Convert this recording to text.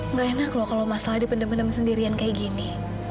nggak enak loh kalau masalah dipendem pendem sendirian kayak gini